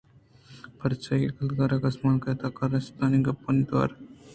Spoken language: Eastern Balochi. پرچےکہ گِدارءُکسمانکءِ تہا کارستانی گپانی گیشّینگ ءُتوار( Tone) ءِ زانگ ءِ حاترا نبشتہی نشانانی کارمرزی المّی اِنت